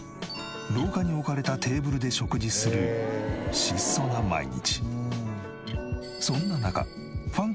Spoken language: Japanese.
廊下に置かれたテーブルで食事する質素な毎日。